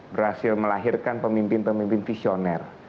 berhasil melahirkan pemimpin pemimpin visioner